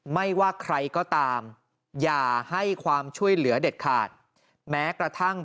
ไม่ว่าใครก็ตามอย่าให้ความช่วยเหลือเด็ดขาดแม้กระทั่ง